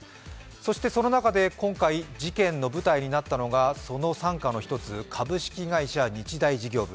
その中で今回事件の舞台になったのがその傘下の１つ株式会社日大事業部。